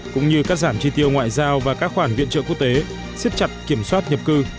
cũng như cắt giảm chi tiêu ngoại giao và các khoản viện trợ quốc tế siết chặt kiểm soát nhập cư